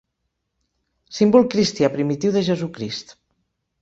Símbol cristià primitiu de Jesucrist.